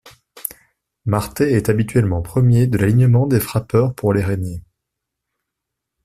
Marté est habituellement premier de l'alignement des frappeurs pour les Rainiers.